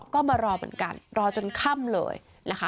ก็มารอเหมือนกันรอจนค่ำเลยนะคะ